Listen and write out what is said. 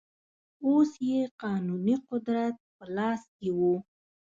اوس یې قانوني قدرت په لاس کې و.